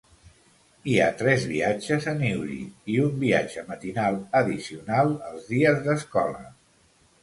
Hi ha tres viatges a Newry i un viatge matinal addicional els dies d'escola.